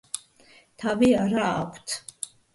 თავი არა აქვთ.